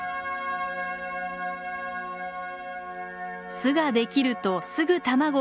巣ができるとすぐ卵を産み